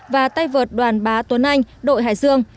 và tay vợt đoàn bá tuấn anh đội hải dương